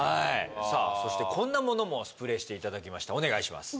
そしてこんなものもスプレーしていただきましたお願いします